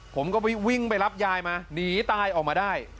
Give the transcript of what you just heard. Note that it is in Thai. ผมก็วิ่งไปรับยายมาหนีตายออกมาได้